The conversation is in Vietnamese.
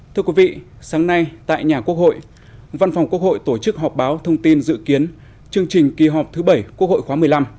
thưa quý vị sáng nay tại nhà quốc hội văn phòng quốc hội tổ chức họp báo thông tin dự kiến chương trình kỳ họp thứ bảy quốc hội khóa một mươi năm